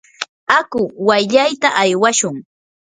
aku wayllayta aywashun.